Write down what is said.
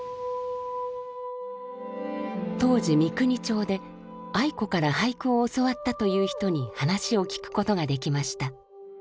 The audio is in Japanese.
当時三国町で愛子から俳句を教わったという人に話を聞くことができました。